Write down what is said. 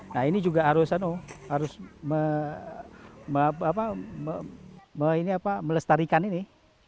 nah ini juga harus melestarikan ini